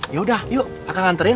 yaudah yuk akan nganterin